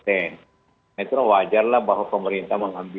itu wajarlah bahwa pemerintah mengambil